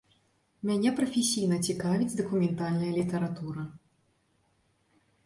Мяне прафесійна цікавіць дакументальная літаратура.